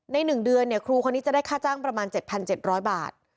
ในหนึ่งเดือนเนี้ยครูคนนี้จะได้ค่าจ้างประมาณเจ็ดพันเจ็ดร้อยบาท